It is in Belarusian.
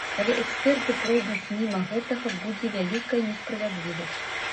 Калі эксперты пройдуць міма гэтага, будзе вялікая несправядлівасць.